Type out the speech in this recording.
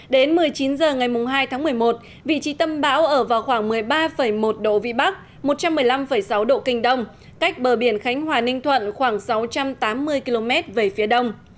đến một mươi chín h ngày hai tháng một mươi một vị trí tâm bão ở vào khoảng một mươi ba một độ vĩ bắc một trăm một mươi năm sáu độ kinh đông cách bờ biển khánh hòa ninh thuận khoảng sáu trăm tám mươi km về phía đông